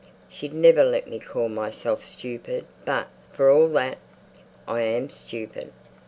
She'd never let me call myself stupid; but, for all that, I am stupid.